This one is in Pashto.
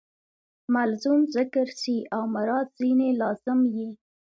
ملزوم ذکر سي او مراد ځني لازم يي.